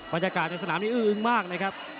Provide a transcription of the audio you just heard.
บรรยากาศในสนามนี้อื้ออึ้งมากนะครับ